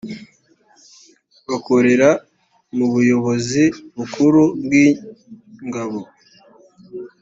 bakorera mu buyobozi bukuru bw’ingabo